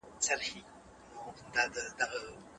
د اسلام دین زموږ د ژوند بنسټ دی.